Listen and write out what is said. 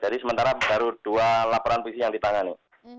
jadi sementara baru dua laporan yang ditangani